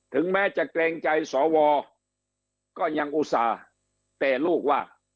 ถึงแม้จะเกรงใจสวก็ยังอุตส่าห์เตะลูกว่า